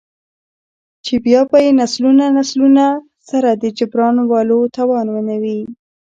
،چـې بـيا بـه يې نسلونه نسلونه سـره د جـبران ولـو تـوان نـه وي.